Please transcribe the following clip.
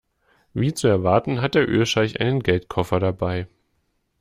Wie zu erwarten hat der Ölscheich einen Geldkoffer dabei.